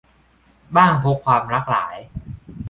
บ้างพบความรักหลาย